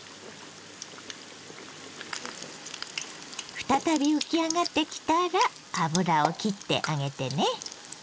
再び浮き上がってきたら油をきってあげてね。